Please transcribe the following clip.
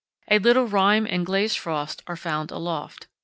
A little rime and glazed frost are found aloft.